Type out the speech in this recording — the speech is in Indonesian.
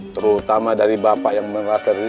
terutama dari bapak yang merasa diri